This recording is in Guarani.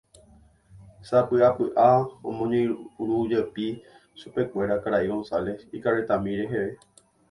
Sapy'apy'a omoirũjepi chupekuéra karai González ikarretami reheve.